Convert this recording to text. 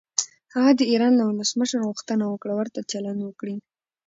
هغه د ایران له ولسمشر غوښتنه وکړه ورته چلند وکړي.